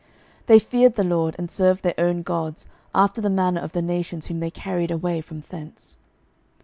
12:017:033 They feared the LORD, and served their own gods, after the manner of the nations whom they carried away from thence.